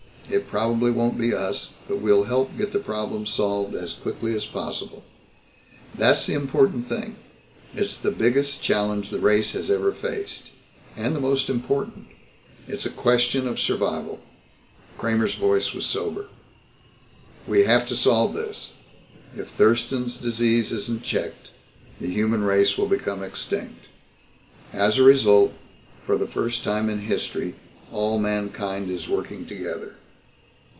It probably won't be us, but we'll help get the problem solved as quickly as possible. That's the important thing. It's the biggest challenge the race has ever faced and the most important. It's a question of survival." Kramer's voice was sober. "We have to solve this. If Thurston's Disease isn't checked, the human race will become extinct. As a result, for the first time in history all mankind is working together."